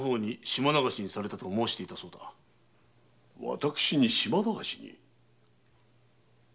私が島流しに？